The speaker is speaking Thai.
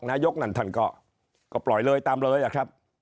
นายกนั่นท่านก็ปล่อยเลยตามเลยอะครับ